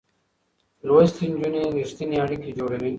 لوستې نجونې رښتينې اړيکې جوړوي.